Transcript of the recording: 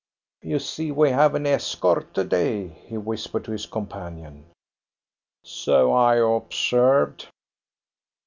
"You see we have an escort to day," he whispered to his companion. "So I observed."